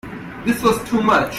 This was too much.